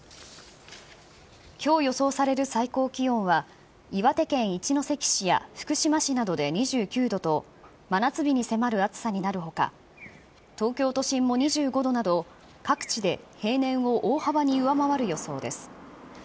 きょう予想される最高気温は、岩手県一関市や福島市などで２９度と真夏日に迫る暑さになるほか、東京都心も２５度など各地で平年を大幅に上回る予想です。